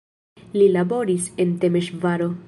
Li laboris en Temeŝvaro.